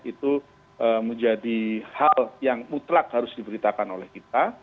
itu menjadi hal yang mutlak harus diberitakan oleh kita